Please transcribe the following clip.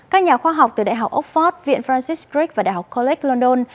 các nhà khoa học từ đại học oxford viện francis crick và đại học college london